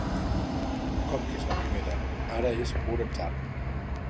Com que és la primera, ara és pur atzar.